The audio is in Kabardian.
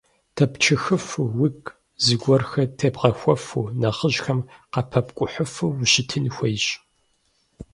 Дэпчыхыфу, уигу зыгуэрхэр тебгъэхуэфу, нэхъыжьхэм къапэпкӀухьыфу ущытын хуейщ.